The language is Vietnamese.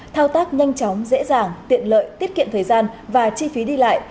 thao tác nhanh chóng dễ dàng tiện lợi tiết kiệm thời gian và chi phí đi lại